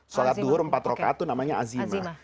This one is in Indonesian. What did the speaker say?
sholat duhur empat rokaat itu namanya azimah